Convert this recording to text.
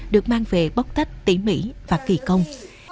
được mang về bóc tách tỉ mỉ và kỳ công